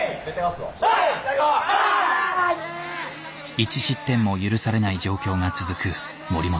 １失点も許されない状況が続く森本。